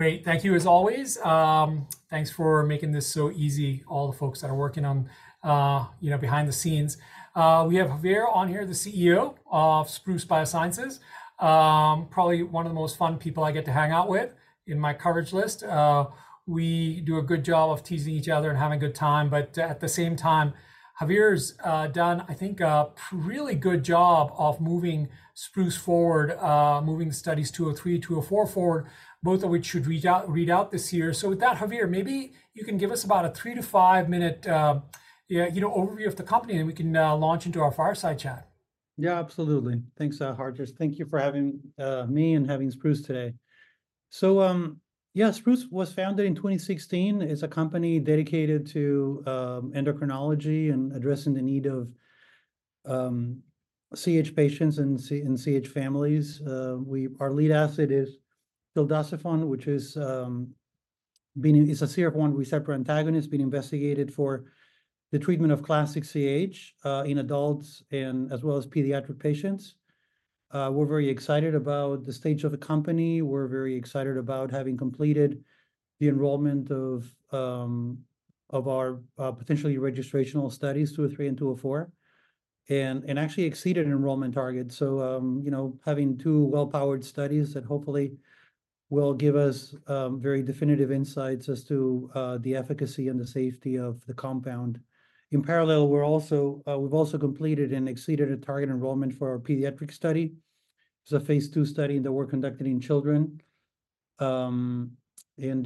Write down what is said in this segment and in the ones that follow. Great, thank you as always. Thanks for making this so easy, all the folks that are working on, you know, behind the scenes. We have Javier on here, the CEO of Spruce Biosciences, probably one of the most fun people I get to hang out with in my coverage list. We do a good job of teasing each other and having a good time, but at the same time, Javier's done, I think, a really good job of moving Spruce forward, moving Studies 203-204 forward, both of which should reach out read out this year. So with that, Javier, maybe you can give us about a three-to-five-minute, yeah, you know, overview of the company, and we can launch into our fireside chat. Yeah, absolutely. Thanks, Hartaj. Thank you for having me and having Spruce today. So, yeah, Spruce was founded in 2016. It's a company dedicated to endocrinology and addressing the need of CAH patients and CAH families. We, our lead asset is tildacerfont, which is being, it's a CRF1 selective antagonist, been investigated for the treatment of classic CAH in adults and as well as pediatric patients. We're very excited about the stage of the company. We're very excited about having completed the enrollment of our potentially registrational studies 203 and 204. And actually exceeded enrollment targets. So, you know, having two well-powered studies that hopefully will give us very definitive insights as to the efficacy and the safety of the compound. In parallel, we're also, we've also completed and exceeded a target enrollment for our pediatric study. It's a phase II study in the works conducted in children. And,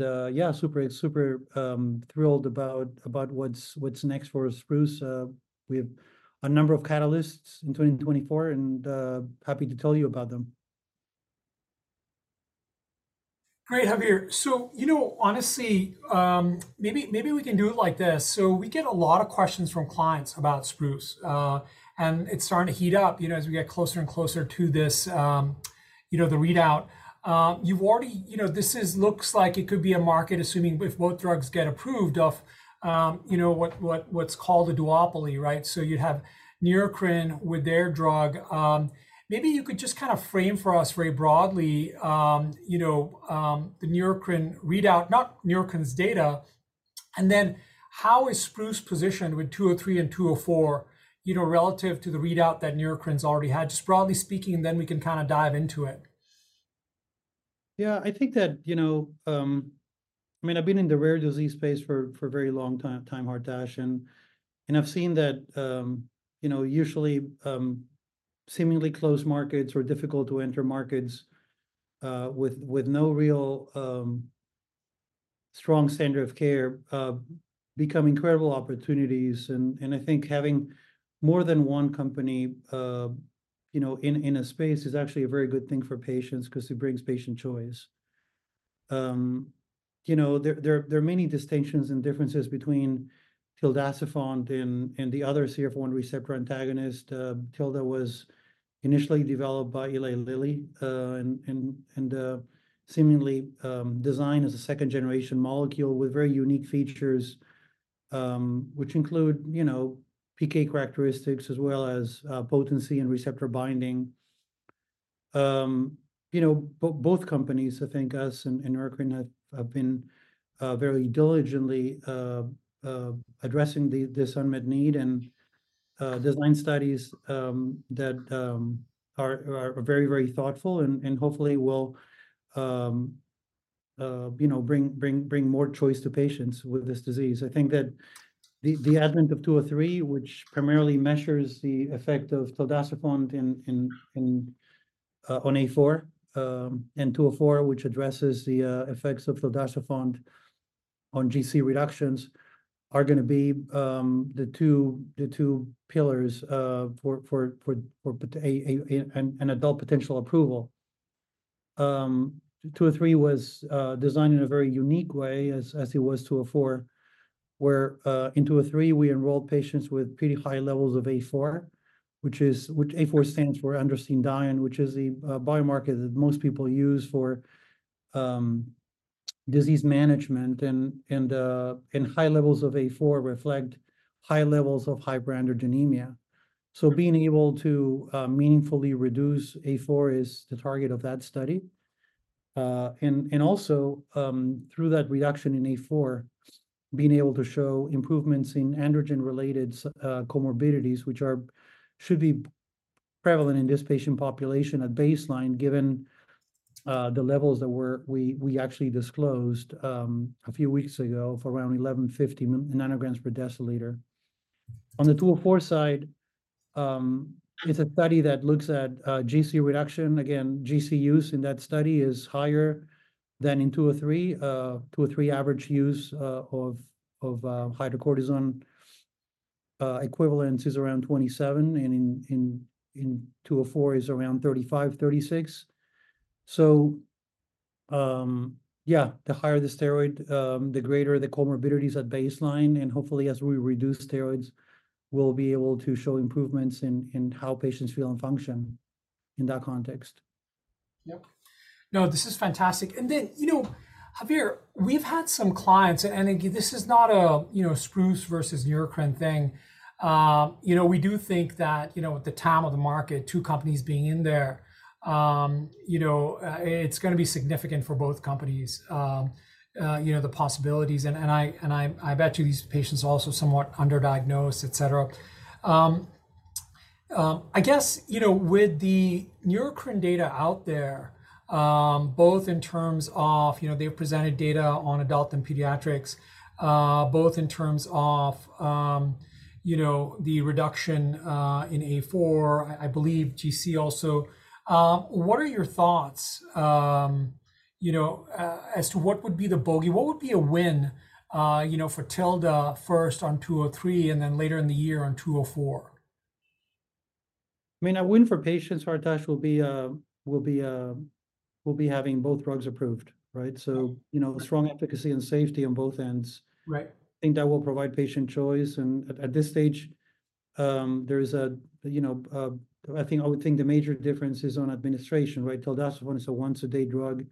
yeah, super, super, thrilled about what's next for Spruce. We have a number of catalysts in 2024, and happy to tell you about them. Great, Javier. So, you know, honestly, maybe we can do it like this. So we get a lot of questions from clients about Spruce, and it's starting to heat up, you know, as we get closer and closer to this, you know, the readout. You've already, you know, this looks like it could be a market, assuming if both drugs get approved of, you know, what's called a duopoly, right? So you'd have Neurocrine with their drug. Maybe you could just kind of frame for us very broadly, you know, the Neurocrine readout, not Neurocrine's data. And then how is Spruce positioned with 203 and 204, you know, relative to the readout that Neurocrine's already had, just broadly speaking, and then we can kind of dive into it. Yeah, I think that, you know, I mean, I've been in the rare disease space for a very long time—and. And I've seen that, you know, usually, seemingly close markets or difficult to enter markets with no real, strong center of care, become incredible opportunities. And I think having more than one company, you know, in a space is actually a very good thing for patients, because it brings patient choice. You know, there are many distinctions and differences between tildacerfont and the other CRF1 receptor antagonist. Tilda was initially developed by Eli Lilly, and, seemingly, designed as a second generation molecule with very unique features, which include, you know, PK characteristics, as well as, potency and receptor binding. You know, both companies, I think, us and Neurocrine have been very diligently addressing this unmet need and designing studies that are very thoughtful, and hopefully will, you know, bring more choice to patients with this disease. I think that the advent of 203, which primarily measures the effect of tildacerfont on A4, and 204, which addresses the effects of tildacerfont on GC reductions, are gonna be the 2 pillars for CAH and adult potential approval. 203 was designed in a very unique way, as it was 204. Where, in 203, we enrolled patients with pretty high levels of A4, which A4 stands for androstenedione, which is the biomarker that most people use for. Disease management and high levels of A4 reflect high levels of hyperandrogenemia. So being able to meaningfully reduce A4 is the target of that study. And also, through that reduction in A4, being able to show improvements in androgen-related comorbidities, which should be prevalent in this patient population at baseline, given the levels that we actually disclosed a few weeks ago for around 1,150 nanograms per deciliter. On the 204 side, it's a study that looks at GC reduction again. GC use in that study is higher than in 203. 203 average use of hydrocortisone equivalence is around 27, and in 204 is around 35-36. So yeah, the higher the steroid, the greater the comorbidities at baseline, and hopefully, as we reduce steroids, we'll be able to show improvements in how patients feel and function. In that context. Yep. No, this is fantastic. And then, you know, Javier, we've had some clients, and again, this is not a, you know, Spruce versus Neurocrine thing. You know, we do think that, you know, with the time of the market, two companies being in there. You know, it's gonna be significant for both companies. You know, the possibilities, and I bet you these patients also somewhat underdiagnosed, etc. I guess, you know, with the Neurocrine data out there. Both in terms of, you know, they've presented data on adult and pediatrics. Both in terms of, you know, the reduction in A4, I believe GC also. What are your thoughts? You know, as to what would be the bogey? What would be a win? You know, for Tilda first on 203, and then later in the year on 204. I mean, a win for patients, Hartaj, will be, We'll be having both drugs approved, right? So, you know, strong efficacy and safety on both ends. Right. I think that will provide patient choice. At this stage, there is a, you know, I think I would think the major difference is on administration, right? Tildacerfont is a once a day drug.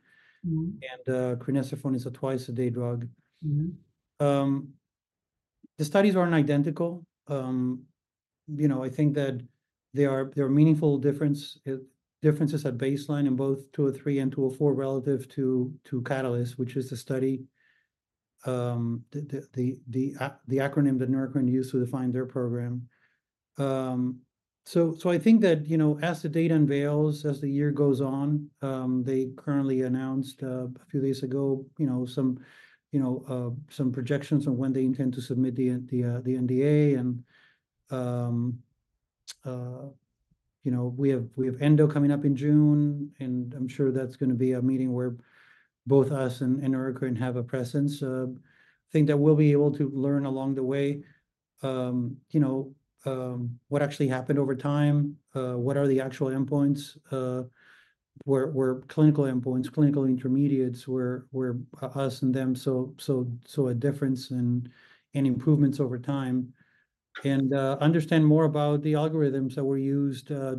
Mm-hmm. Crinecerfont is a twice a day drug. Mm-hmm. The studies aren't identical. You know, I think that. There are meaningful differences at baseline in both 203 and 204 relative to CAHtalyst, which is the acronym that Neurocrine used to define their program. So I think that, you know, as the data unveils as the year goes on, they announced a few days ago, you know, some projections on when they intend to submit the NDA. You know, we have ENDO coming up in June, and I'm sure that's gonna be a meeting where both us and Neurocrine have a presence. I think that we'll be able to learn along the way, you know, what actually happened over time, what are the actual endpoints? Where clinical endpoints, clinical intermediates, where us and them, so a difference and improvements over time. Understand more about the algorithms that were used to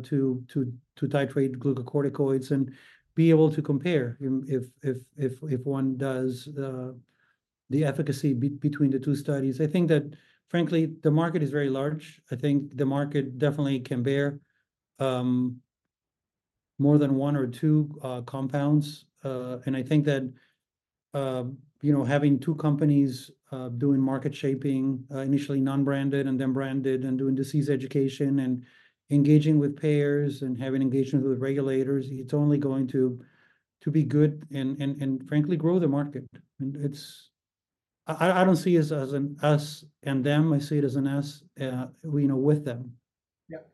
titrate glucocorticoids and be able to compare if one does the efficacy be between the two studies. I think that, frankly, the market is very large. I think the market definitely can bear more than one or two compounds. And I think that, you know, having two companies doing market shaping, initially non-branded and then branded, and doing disease education, and engaging with payers and having engagement with regulators. It's only going to be good and frankly grow the market, and it's. I don't see it as an us and them. I see it as an us, you know, with them. Yep.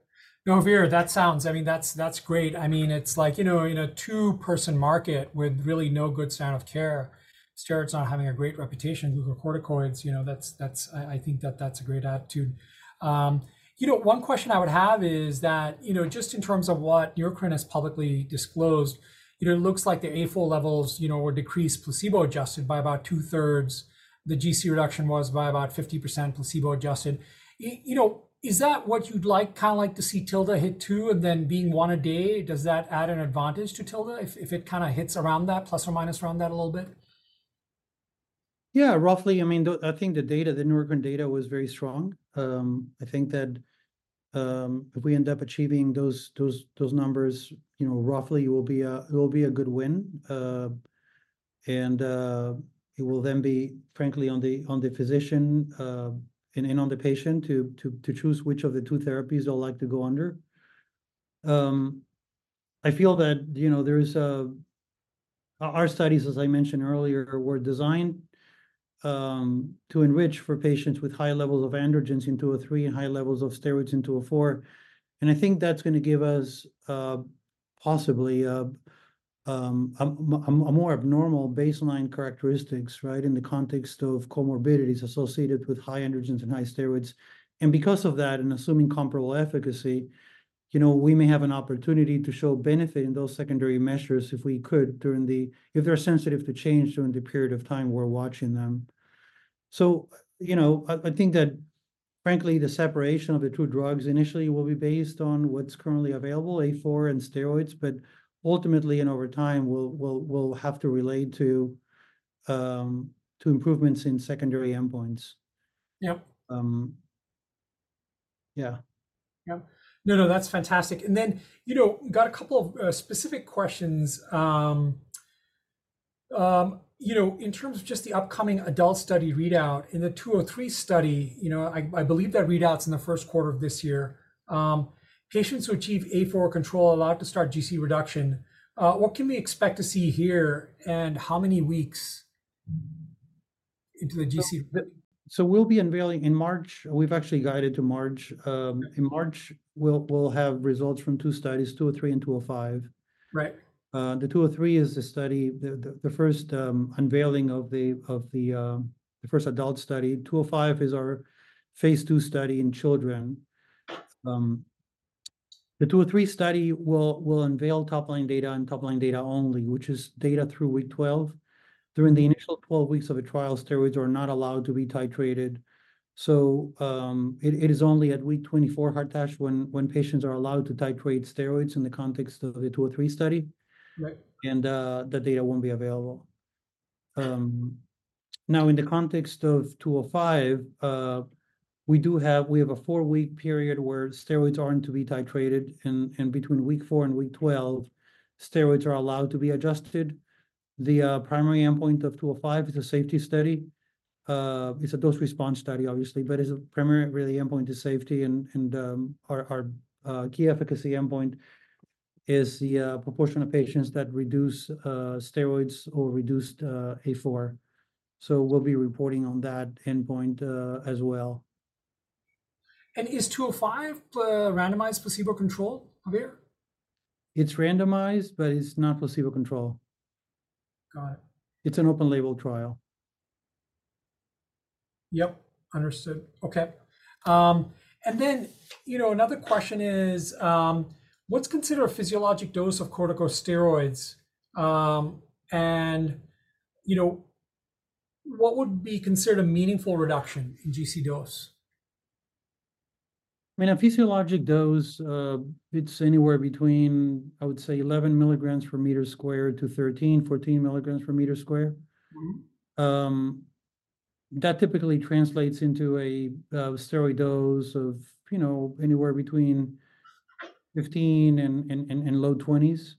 No, Javier, that sounds, I mean, that's great. I mean, it's like, you know, in a two-person market with really no good standard of care. Steroids not having a great reputation, glucocorticoids, you know, that's I think that's a great attitude. You know, one question I would have is that, you know, just in terms of what Neurocrine has publicly disclosed. You know, it looks like the A4 levels, you know, were decreased placebo-adjusted by about 2/3. The GC reduction was by about 50% placebo-adjusted. You know, is that what you'd like kind of like to see Tilda hit too, and then being once a day? Does that add an advantage to Tilda if it kind of hits around that, ± around that a little bit. Yeah, roughly. I mean, I think the data, the Neurocrine data was very strong. I think that if we end up achieving those numbers, you know, it will be a good win. It will then be, frankly, on the physician and on the patient to choose which of the two therapies they'll like to go under. I feel that, you know, there is a. Our studies, as I mentioned earlier, were designed to enrich for patients with high levels of androgens in 203 and high levels of steroids in 204. And I think that's gonna give us possibly a more abnormal baseline characteristics, right, in the context of comorbidities associated with high androgens and high steroids. And because of that, and assuming comparable efficacy. You know, we may have an opportunity to show benefit in those secondary measures if we could during the if they're sensitive to change during the period of time we're watching them. So, you know, I think that. Frankly, the separation of the two drugs initially will be based on what's currently available, A4 and steroids, but ultimately and over time we'll have to relate to improvements in secondary endpoints. Yep. Yeah. Yep. No, no, that's fantastic. And then, you know, got a couple of specific questions. You know, in terms of just the upcoming adult study readout in the 203 study, you know, I believe that readouts in the first quarter of this year. Patients who achieve A4 control are allowed to start GC reduction. What can we expect to see here, and how many weeks into the GC. We'll be unveiling in March. We've actually got it to March. In March we'll have results from 2 studies, 203 and 205. Right. The 203 is the study, the first unveiling of the. The first adult study, 205 is our phase II study in children. The 203 study will unveil topline data and topline data only, which is data through week 12. During the initial 12 weeks of a trial, steroids are not allowed to be titrated. So, it is only at week 24, Hartaj, when patients are allowed to titrate steroids in the context of the 203 study. Right. That data won't be available. Now, in the context of 205, we have a four-week period where steroids aren't to be titrated, and between week four and week 12, steroids are allowed to be adjusted. The primary endpoint of 205 is a safety study. It's a dose response study, obviously, but it's a primary, really, endpoint to safety, and our key efficacy endpoint is the proportion of patients that reduce steroids or reduced A4. So we'll be reporting on that endpoint, as well. Is 205, randomized placebo control, Javier. It's randomized, but it's not placebo control. Got it. It's an open label trial. Yep, understood. Okay. And then, you know, another question is, what's considered a physiologic dose of corticosteroids? You know. What would be considered a meaningful reduction in GC dose. I mean, a physiologic dose, it's anywhere between, I would say, 11 mg/m² to 13-14 mg/m². Mm-hmm. That typically translates into a steroid dose of, you know, anywhere between 15 and low 20s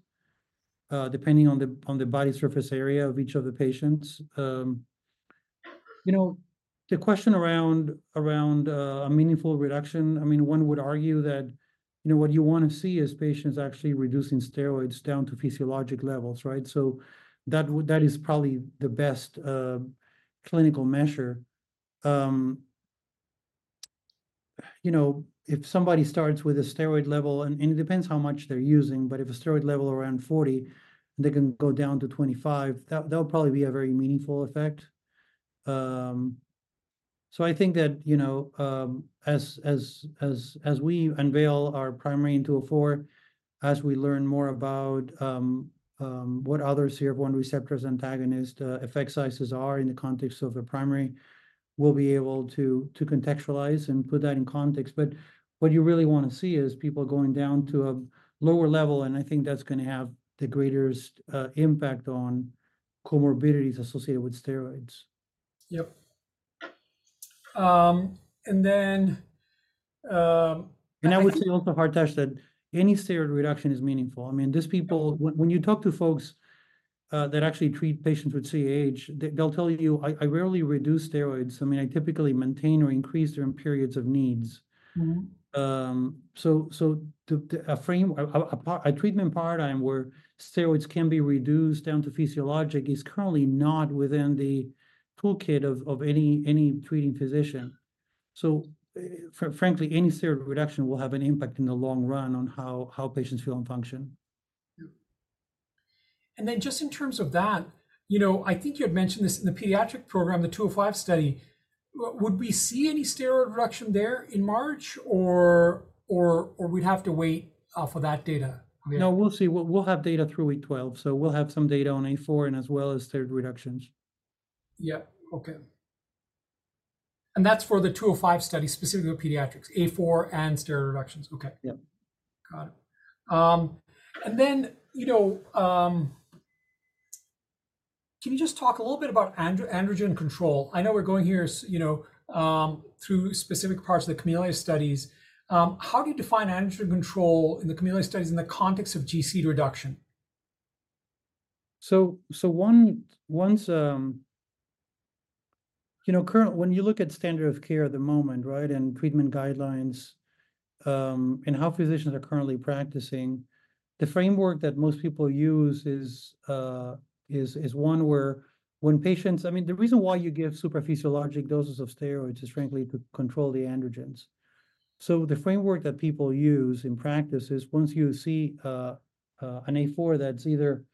depending on the body surface area of each of the patients. You know. The question around a meaningful reduction. I mean, one would argue that. You know what you want to see is patients actually reducing steroids down to physiologic levels, right? So that would that is probably the best clinical measure. You know, if somebody starts with a steroid level, and it depends how much they're using. But if a steroid level around 40. And they can go down to 25, that'll probably be a very meaningful effect. So I think that, you know, as we unveil our primary into A4. As we learn more about. What other CRF1 receptor antagonists' effect sizes are in the context of a primary. We'll be able to contextualize and put that in context. But what you really want to see is people going down to a lower level, and I think that's gonna have the greatest impact on comorbidities associated with steroids. Yep. And then. I would say also, Hartaj, that any steroid reduction is meaningful. I mean, these people, when you talk to folks that actually treat patients with CAH, they'll tell you, I rarely reduce steroids. I mean, I typically maintain or increase during periods of need. Mm-hmm. So, to frame a treatment paradigm where steroids can be reduced down to physiologic is currently not within the toolkit of any treating physician. So, frankly, any steroid reduction will have an impact in the long run on how patients feel and function. Yep. Then, just in terms of that, you know, I think you had mentioned this in the pediatric program, the 205 study. Would we see any steroid reduction there in March, or we'd have to wait for that data. No, we'll see. We'll have data through week 12, so we'll have some data on A4, and as well as 17-OHP reductions. Yep. Okay. And that's for the 205 study specifically with pediatrics, A4 and steroid reductions. Okay. Yep. Got it. And then, you know, can you just talk a little bit about androgen control? I know we're going here, you know, through specific parts of the CAHmelia studies. How do you define androgen control in the CAHmelia studies in the context of GC reduction? You know, currently, when you look at the standard of care at the moment, right, and treatment guidelines and how physicians are currently practicing. The framework that most people use is one where. When patients, I mean, the reason why you give super physiologic doses of steroids is, frankly, to control the androgens. So the framework that people use in practice is once you see an A4 that's either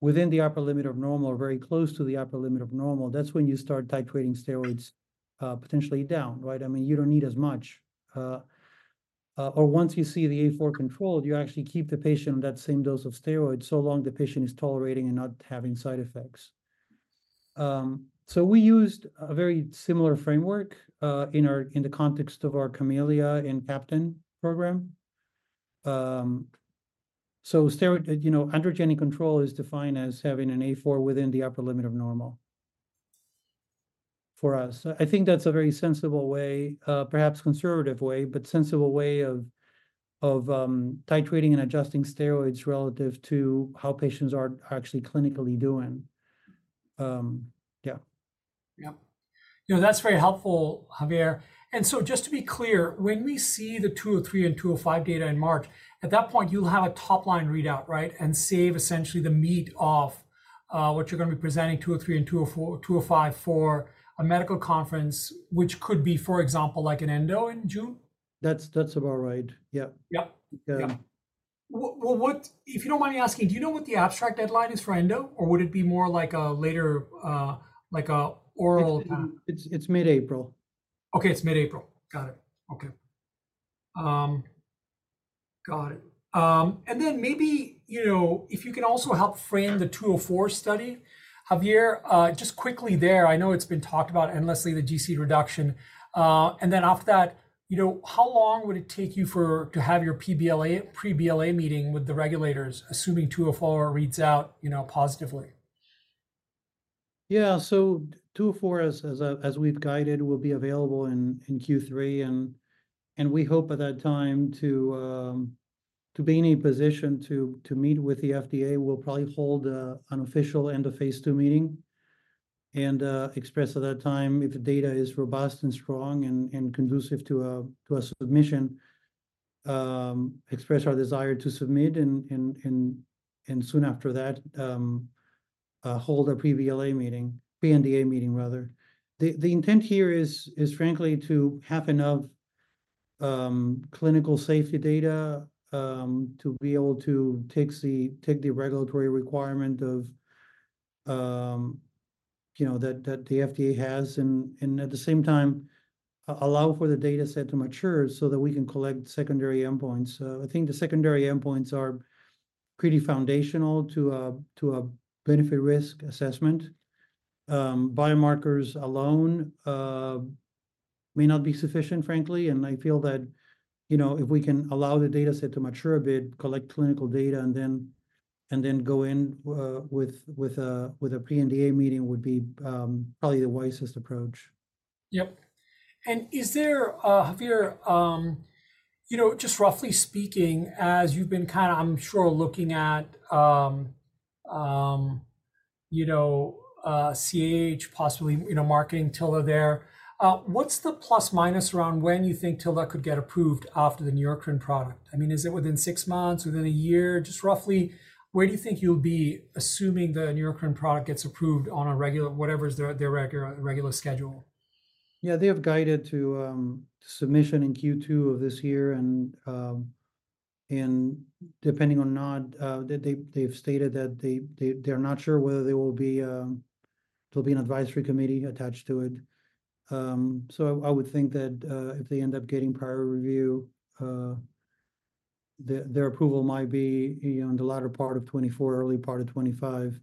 within the upper limit of normal, or very close to the upper limit of normal. That's when you start titrating steroids potentially down, right? I mean, you don't need as much or once you see the A4 controlled, you actually keep the patient on that same dose of steroids so long the patient is tolerating and not having side effects. So we used a very similar framework, in our, in the context of our CAHmelia and CAHptain program. So steroid, you know, androgenic control is defined as having an A4 within the upper limit of normal. For us. I think that's a very sensible way, perhaps conservative way, but sensible way of titrating and adjusting steroids relative to how patients are actually clinically doing. Yeah. Yep. You know, that's very helpful, Javier. And so just to be clear, when we see the 203 and 205 data in March, at that point you'll have a topline readout, right, and save essentially the meat of what you're gonna be presenting, 203 and 204, 205 for a medical conference, which could be, for example, like an ENDO in June. That's about right. Yeah. Yep. Yeah. Well, what if you don't mind me asking, do you know what the abstract deadline is for ENDO, or would it be more like a later, like a oral kind of? It's mid-April. Okay, it's mid-April. Got it. Okay. Got it. And then maybe, you know, if you can also help frame the 204 study. Javier, just quickly there. I know it's been talked about endlessly, the GC reduction. And then off that. You know, how long would it take you for to have your pre-BLA meeting with the regulators, assuming 204 reads out, you know, positively. Yeah. So 204, as we've guided, will be available in Q3, and we hope at that time to be in a position to meet with the FDA. We'll probably hold an official end of phase II meeting. And, express at that time, if the data is robust and strong and conducive to a submission, express our desire to submit in and soon after that hold a pre-BLA meeting, pre-NDA meeting, rather. The intent here is, frankly, to have enough clinical safety data to be able to take the regulatory requirement of, you know, that the FDA has, and at the same time allow for the data set to mature so that we can collect secondary endpoints. I think the secondary endpoints are pretty foundational to a benefit risk assessment. Biomarkers alone may not be sufficient, frankly, and I feel that. You know, if we can allow the data set to mature a bit, collect clinical data, and then go in with a pre-NDA meeting would be probably the wisest approach. Yep. And is there, Javier? You know, just roughly speaking, as you've been kind of, I'm sure, looking at. You know, CAH, possibly, you know, marketing tildacerfont there. What's the ± around when you think tildacerfont could get approved after the Neurocrine product? I mean, is it within 6 months, within a year, just roughly. Where do you think you'll be assuming the Neurocrine product gets approved on a regular, whatever is their regular schedule. Yeah, they have guided to submission in Q2 of this year, and depending on that, they've stated that they're not sure whether there'll be an advisory committee attached to it. So I would think that, if they end up getting priority review, their approval might be, you know, in the latter part of 2024, early part of 2025.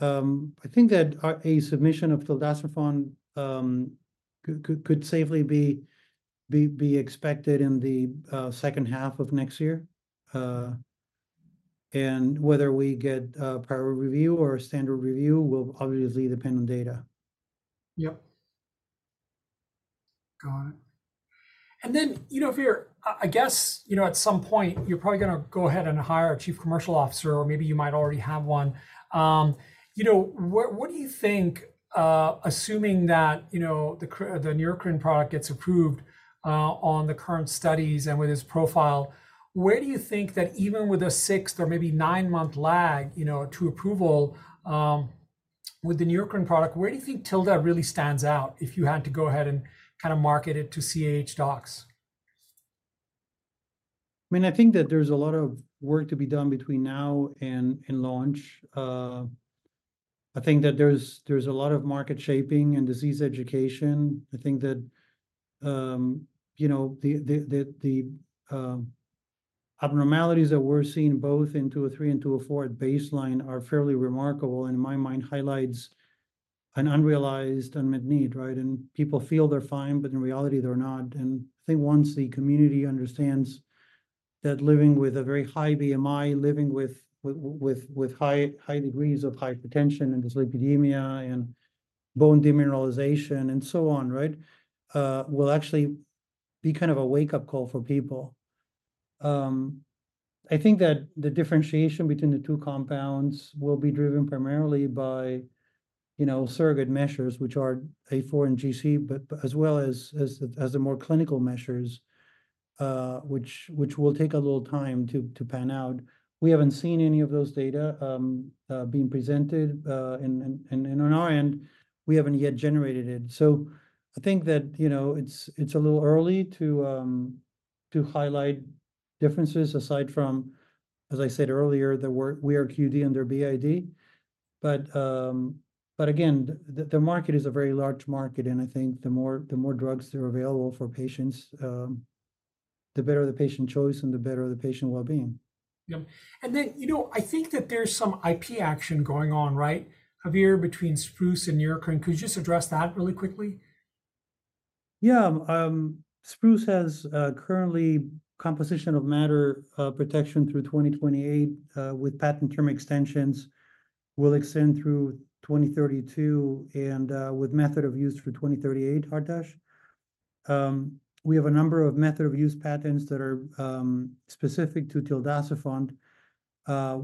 I think that a submission of tildacerfont could safely be expected in the second half of next year. And whether we get a priority review or a standard review will obviously depend on data. Yep. Got it. And then, you know, here, I guess, you know, at some point you're probably gonna go ahead and hire a chief commercial officer, or maybe you might already have one. You know, what what do you think? Assuming that you know the Neurocrine product gets approved on the current studies, and with his profile. Where do you think that even with a 6th or maybe nine-month lag, you know, to approval with the Neurocrine product, where do you think tildacerfont really stands out? If you had to go ahead and kind of market it to CAH docs. I mean, I think that there's a lot of work to be done between now and launch. I think that there's a lot of market shaping and disease education. I think that. You know, Abnormalities that we're seeing both in 203 and 204 at baseline are fairly remarkable, and in my mind highlights an unrealized unmet need, right? And people feel they're fine, but in reality they're not. And I think once the community understands that living with a very high BMI, living with high degrees of hypertension and dyslipidemia and bone demineralization, and so on, right? will actually be kind of a wake up call for people. I think that the differentiation between the two compounds will be driven primarily by. You know, surrogate measures, which are A4 and GC, but as well as the more clinical measures, which will take a little time to pan out. We haven't seen any of those data being presented on our end. We haven't yet generated it. So, I think that, you know, it's a little early to highlight differences, aside from, as I said earlier, the work we are QD under BID. But again, the market is a very large market, and I think the more drugs that are available for patients, the better the patient choice, and the better the patient well-being. Yep. And then, you know, I think that there's some IP action going on, right, Javier, between Spruce and Neurocrine. Could you just address that really quickly? Yeah. Spruce has currently composition of matter protection through 2028, with patent term extensions will extend through 2032, and with method of use for 2038. Hartaj. We have a number of method of use patents that are specific to tildacerfont.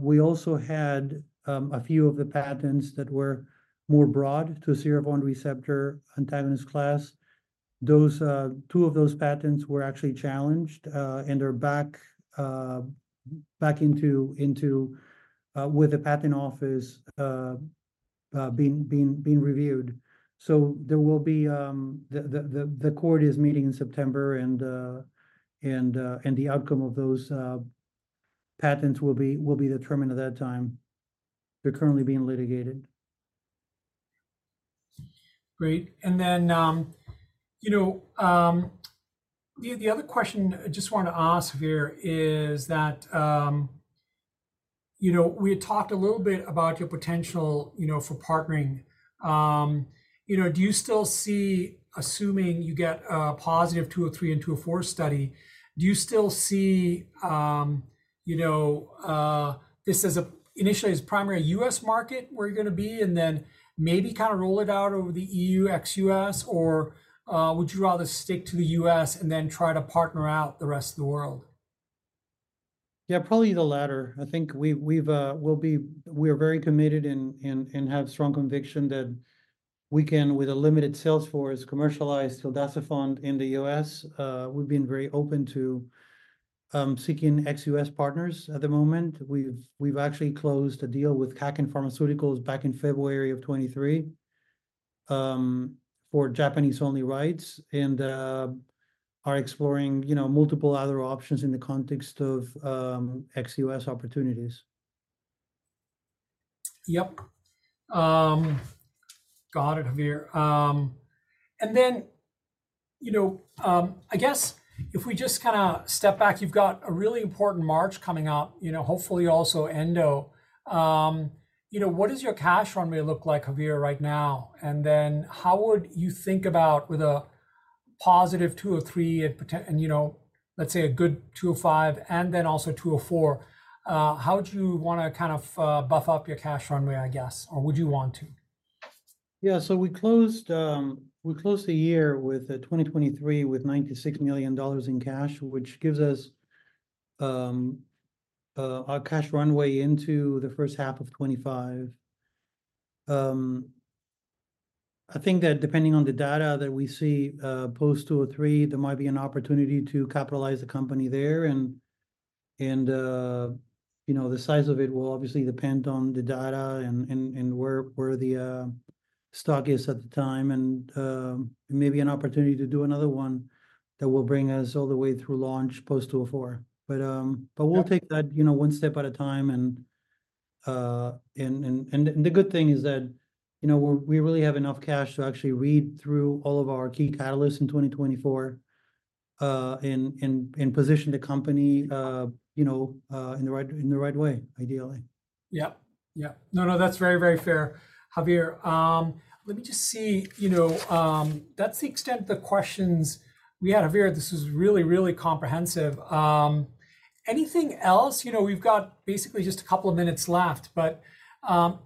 We also had a few of the patents that were more broad to CRF1 receptor antagonist class. Those two of those patents were actually challenged, and are back into with a patent office being reviewed. So there will be the court is meeting in September, and the outcome of those patents will be determined at that time. They're currently being litigated. Great. And then, you know, the other question I just want to ask here is that, you know, we had talked a little bit about your potential, you know, for partnering. You know, do you still see, assuming you get a positive 203 and 204 study? Do you still see, you know, this as an initially as primary U.S. market where you're gonna be, and then maybe kind of roll it out over the EU, ex-U.S., or would you rather stick to the U.S. and then try to partner out the rest of the world? Yeah, probably the latter. I think we'll be. We are very committed in and have strong conviction that. We can, with a limited sales force, commercialize tildacerfont in the U.S. We've been very open to seeking ex-US partners at the moment. We've actually closed a deal with Kaken Pharmaceuticals back in February of 2023. For Japanese only rights, and are exploring, you know, multiple other options in the context of ex-US opportunities. Yep. Got it, Javier. And then you know. I guess if we just kind of step back, you've got a really important March coming up, you know, hopefully also ENDO. You know, what does your cash runway look like, Javier, right now? And then how would you think about with a positive 203 and potential, and you know. Let's say a good 205, and then also 204. How would you want to kind of buff up your cash runway, I guess, or would you want to. Yeah. So we closed the year with 2023 with $96 million in cash, which gives us our cash runway into the first half of 2025. I think that, depending on the data that we see post-203, there might be an opportunity to capitalize the company there. And you know, the size of it will obviously depend on the data, and where the stock is at the time, and maybe an opportunity to do another one. That will bring us all the way through launch post-204. But we'll take that, you know, one step at a time, and the good thing is that. You know, we really have enough cash to actually read through all of our key catalysts in 2024 and position the company. You know, in the right way, ideally. Yep. Yep. No, no, that's very, very fair, Javier. Let me just see, you know. That's the extent the questions. We had, Javier. This is really, really comprehensive. Anything else? You know, we've got basically just a couple of minutes left, but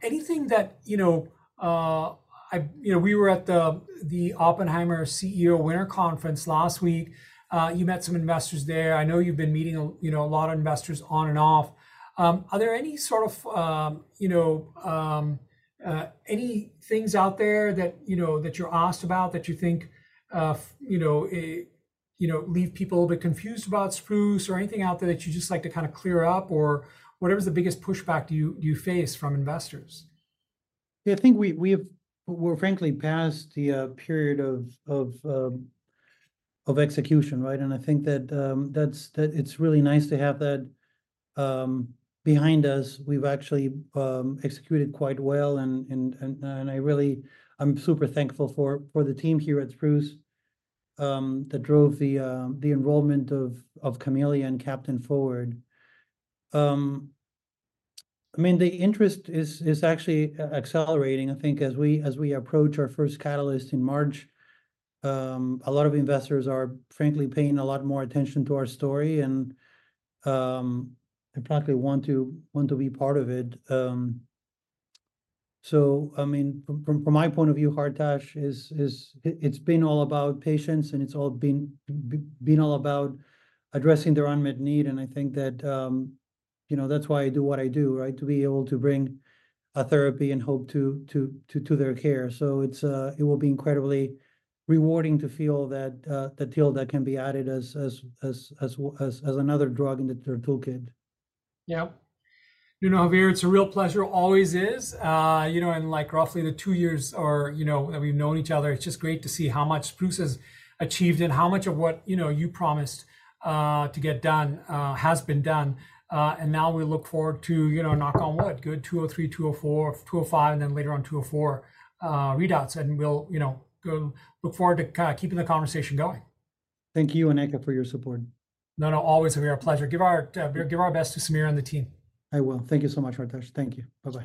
anything that you know. I, you know, we were at the Oppenheimer CEO winter conference last week. You met some investors there. I know you've been meeting, you know, a lot of investors on and off. Are there any sort of, you know, any things out there that you know that you're asked about that you think, you know, it, you know, leave people a little bit confused about Spruce, or anything out there that you just like to kind of clear up, or whatever's the biggest pushback you face from investors. Yeah, I think we have. We're frankly past the period of execution, right? And I think that's it's really nice to have that behind us. We've actually executed quite well, and I really I'm super thankful for the team here at Spruce that drove the enrollment of CAHmelia and CAHptain forward. I mean, the interest is actually accelerating, I think, as we approach our first catalyst in March. A lot of investors are frankly paying a lot more attention to our story, and I probably want to be part of it. So, I mean, from my point of view, Hartaj, it's been all about patience, and it's all been about addressing their unmet need. And I think that. You know, that's why I do what I do, right, to be able to bring a therapy and hope to their care. So it will be incredibly rewarding to feel that tildacerfont can be added as another drug in the toolkit. Yep. You know, Javier, it's a real pleasure. Always is. You know, and like roughly the two years are, you know, that we've known each other. It's just great to see how much Spruce has achieved, and how much of what you know you promised to get done has been done. And now we look forward to, you know, knock on wood, good 203, 204, 205, and then later on 204 readouts, and we'll, you know, go look forward to kind of keeping the conversation going. Thank you, Aneka, for your support. No, no. Always, Javier. A pleasure. Give our best to Samir and the team. I will. Thank you so much, Hartaj. Thank you. Bye-bye.